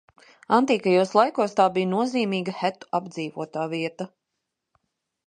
Antīkajos laikos tā bija nozīmīga hetu apdzīvotā vieta.